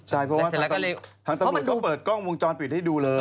ใช่เพราะว่าทางตำรวจก็เปิดกล้องวงจรปิดให้ดูเลย